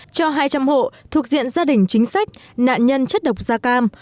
cho hai trăm linh hộ thuộc diện gia đình chính sách nạn nhân chất độc da cam